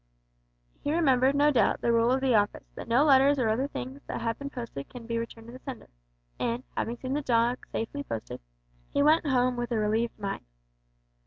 He remembered, no doubt, the rule of the Office, that no letters or other things that have been posted can be returned to the sender, and, having seen the dog safely posted, he went home with a relieved mind.